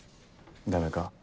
ダメか。